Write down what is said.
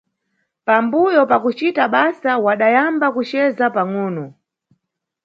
Pambuyo pakucita basa wadayamba kuceza pangʼono.